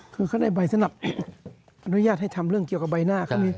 คือเขาได้ใบสำหรับอนุญาตให้ทำเรื่องเกี่ยวกับใบหน้าเขามี